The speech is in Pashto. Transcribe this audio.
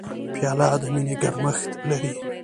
پیاله د مینې ګرمښت لري.